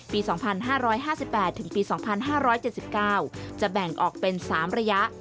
ปี๒๕๕๘ถึงปี๒๕๗๙จะแบ่งออกเป็น๓ระยะ